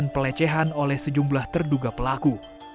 menjadi bahan pelecehan oleh sejumlah terduga pelaku